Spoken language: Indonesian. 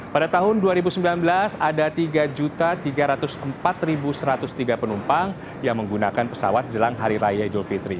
pada tahun dua ribu sembilan belas ada tiga tiga ratus empat satu ratus tiga penumpang yang menggunakan pesawat jelang hari raya idul fitri